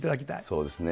そうですね。